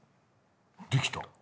できた！